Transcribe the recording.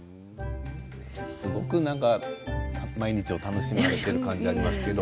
すごく毎日を楽しまれている感じがありますけれども。